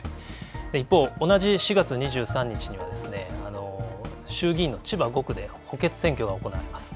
一方、同じ４月２３日には衆議院の千葉５区で補欠選挙が行われます。